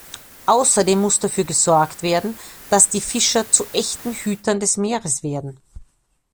Außerdem muss dafür gesorgt werden, dass die Fischer zu echten Hütern des Meeres werden.